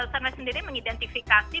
cefnet sendiri mengidentifikasi